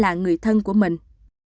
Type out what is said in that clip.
được xem là người thân của mình